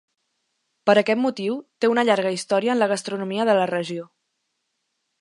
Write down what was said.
Per aquest motiu té una llarga història en la gastronomia de la regió.